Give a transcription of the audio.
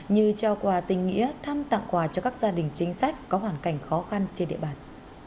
như trao quà tình nghĩa thăm tặng quà cho các gia đình chính sách có hoàn cảnh khó khăn trên địa bàn